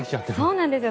そうなんです。